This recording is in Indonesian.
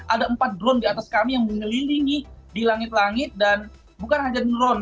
ada empat drone di atas kami yang mengelilingi di langit langit dan bukan hanya drone